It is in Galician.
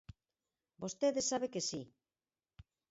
Vostede sabe que si.